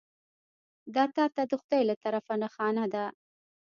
دا تا ته د خدای له طرفه نښانه ده .